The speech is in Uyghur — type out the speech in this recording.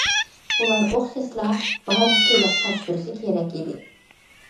ئۇلار ئوخشاشلا باج- سېلىق تاپشۇرۇشى كېرەك ئىدى.